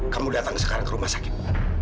kamu datang sekarang ke rumah sakit